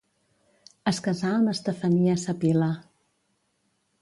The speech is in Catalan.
Es casà amb Estefania sa Pila.